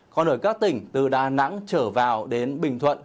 còn ở các tỉnh từ đà nẵng trở vào đến bình thuận